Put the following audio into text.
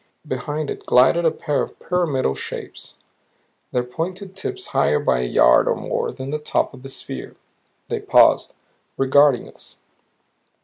Behind it glided a pair of the pyramidal shapes, their pointed tips higher by a yard or more than the top of the sphere. They paused regarding us.